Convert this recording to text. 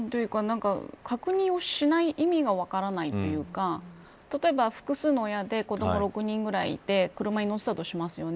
確認をしない意味が分からないというか例えば、複数の親で子ども６人ぐらいいて車に乗せたとします。